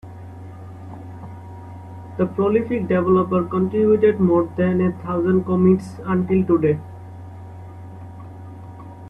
The prolific developer contributed more than a thousand commits until today.